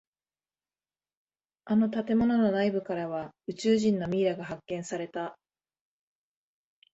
あの建物の内部からは宇宙人のミイラが発見された。